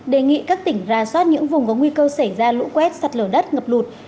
đề nghị các tỉnh ra soát những vùng có nguy cơ xảy ra lũ quét sạt lở đất ngập lụt